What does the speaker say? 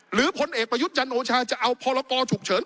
พลเอกประยุทธ์จันโอชาจะเอาพรกรฉุกเฉิน